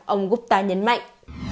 ông gupta nhấn mạnh